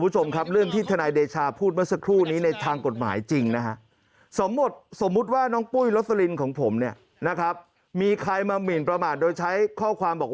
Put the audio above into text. แต่คนทั่วไปรู้ได้ว่าคือคุณโรศลินแด่งเข้าข่ายมิลประมาทนะครับ